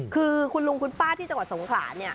คือคุณลุงคุณป้าที่จังหวัดสงขลาเนี่ย